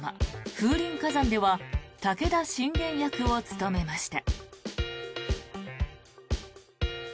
「風林火山」では武田信玄役を務めました。